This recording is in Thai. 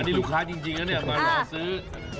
อันนี้หลูกค้าจริงแล้วมารอซื้อ